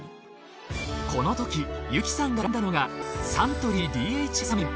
このとき由紀さんが選んだのがサントリーＤＨＡセサミン。